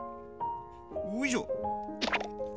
おいしょ！